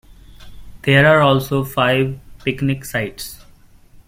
There are also five picnic sites.